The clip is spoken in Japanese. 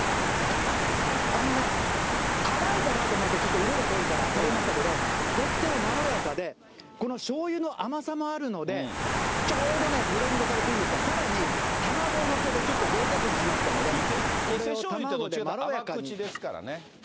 あのね、辛いかなと思ってちょっと色が濃いから、食べましたけど、とってもまろやかで、このしょうゆの甘さもあるので、ちょうどブレンドされていいんですが、伊勢しょうゆって、どっちかっていったら甘口ですからね。